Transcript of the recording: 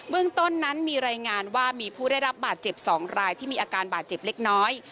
เรื่องต้นนั้นมีรายงานว่ามีผู้ได้รับบาดเจ็บ๒รายที่มีอาการบาดเจ็บเล็กน้อย